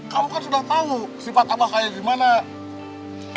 kamu kan sudah tahu sifat abah kayak gimana